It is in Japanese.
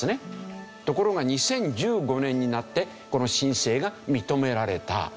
ところが２０１５年になってこの申請が認められた。